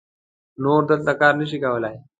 نور دلته کار نه سم کولای.